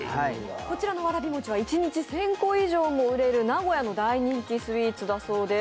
こちらのわらび餅は一日１０００個以上も売れる名古屋の大人気スイーツです。